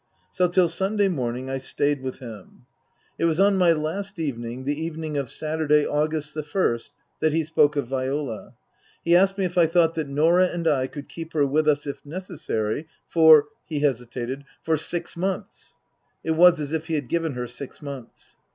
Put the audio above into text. So till Sunday morning I stayed with him. Book III : His Book 253 It was on my last evening, the evening of Saturday, August the first, that he spoke of Viola. He asked me if I thought that Norah and I could keep her with us, if necessary, for he hesitated for six months ? (It was as if he had given her six months.)